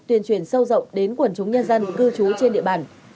tuyên truyền sâu rộng đến quần chúng nhân dân cư trú trên địa bàn